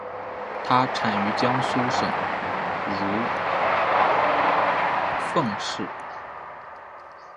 它产于江苏省如皋市。